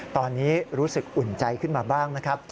ตอนนี้รู้สึกอุ่นใจขึ้นมาบ้างนะครับ